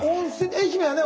愛媛はね